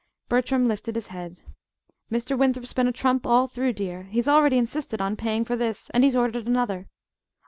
Bertram lifted his head. "Mr. Winthrop's been a trump all through, dear. He's already insisted on paying for this and he's ordered another."